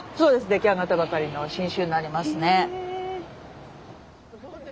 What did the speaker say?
出来上がったばかりの新酒になりますね。